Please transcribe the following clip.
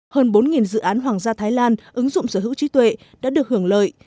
hơn bốn dự án hoàng gia thái lan ứng dụng sở hữu trí tuệ đã được hưởng lợi